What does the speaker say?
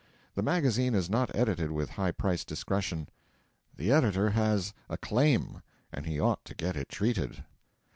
The magazine is not edited with high priced discretion. The editor has a claim, and he ought to get it treated.